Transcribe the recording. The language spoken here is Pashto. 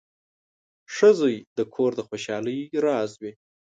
• ښه زوی د کور د خوشحالۍ راز وي.